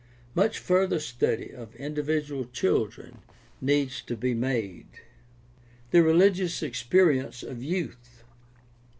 Much further study of individual children needs to be made. The religious experience of youth.